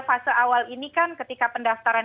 fase awal ini kan ketika pendaftaran